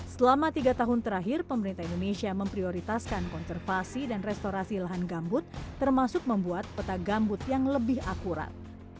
selama tiga tahun terakhir pemerintah indonesia memprioritaskan konservasi dan restorasi lahan gambut termasuk membuat peta gambut yang lebih akurat